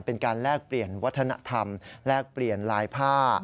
แลกเปลี่ยนวัฒนธรรมแลกเปลี่ยนลายผ้า